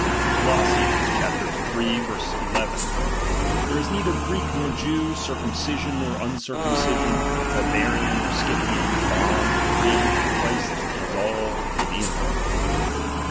Coloss. iii. 1 1 : There is neither Greek nor Jew, circumcision nor uneircumcision, barbarian or Scythian, bond or free, hut Christ is all, and in all.